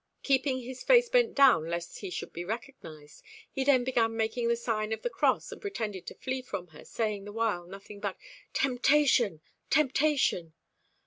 Keeping his face bent down lest he should be recognised, he then began making the sign of the cross, and pretended to flee from her, saying the while nothing but "Temptation! temptation!"